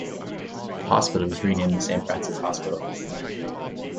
The hospital was renamed the Saint Francis Hospital.